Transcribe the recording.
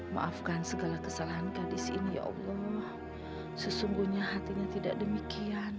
maafkan segala kesalahan kadis ini ya allah sesungguhnya hatinya tidak demikian